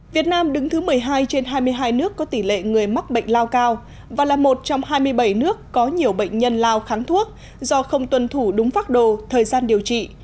việt nam đứng thứ một mươi hai trên hai mươi hai nước có tỷ lệ người mắc bệnh lao cao và là một trong hai mươi bảy nước có nhiều bệnh nhân lao kháng thuốc do không tuân thủ đúng phác đồ thời gian điều trị